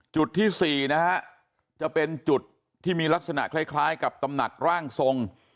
จุดที่๔นะฮะจะเป็นจุดที่มีลักษณะคล้ายกับตำหนักร่างทรง